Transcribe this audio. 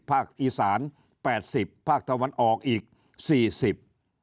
ภาคอีสานแปดสิบภาคตะวันออกอีกสี่สิบ